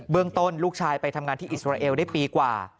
ต้นลูกชายไปทำงานที่อิสราเอลได้ปีกว่า